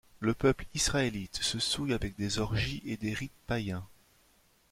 Le peuple israélite se souille avec des orgies et des rites païens.